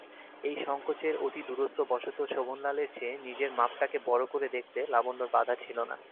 এই সংকোচের অতিদূরত্ববশত শোভনলালের চেয়ে নিজের মাপটাকে বড়ো করে দেখতে লাবণ্যর বাধা ছিল না।